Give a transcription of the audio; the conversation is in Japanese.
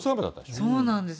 そうなんですよ。